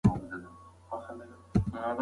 شاعران دوه ژبې لري.